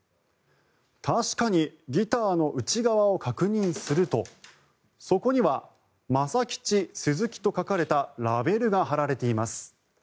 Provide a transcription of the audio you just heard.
確かにギターの内側を確認するとそこには「ＭＡＳＡＫＩＣＨＩＳＵＺＵＫＩ」と書かれたラベルが貼られています。